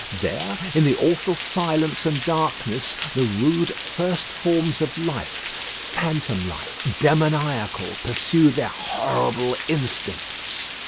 There, in the awful silence and darkness, the rude first forms of life, phantom like, demoniacal, pursue their horrible instincts.